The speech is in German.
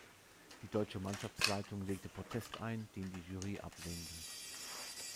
Die deutsche Mannschaftsleitung legte Protest ein, den die Jury ablehnte.